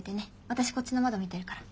私こっちの窓見てるから。